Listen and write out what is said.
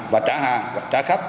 và trả hàng trả khách